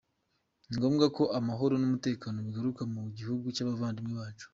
Ni ngombwa ko amahoro n’umutekano bigaruka mu gihugu cy’abavandimwe bacu.